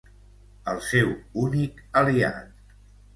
El seu únic aliat.